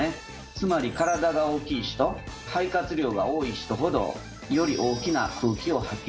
つまり体が大きい人肺活量が多い人ほどより大きな空気を吐き出せるんですね。